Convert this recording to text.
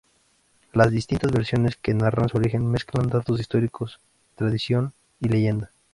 Las distintas versiones que narran su origen mezclan datos históricos, tradición y leyenda.